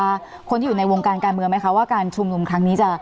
คนที่อยู่ในวงการการเมืองไหมคะว่าการชุมนุมครั้งนี้จะ